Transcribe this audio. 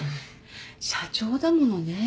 社長だものね。